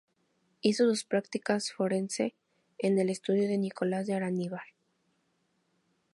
Hizo su práctica forense en el estudio de Nicolás de Araníbar.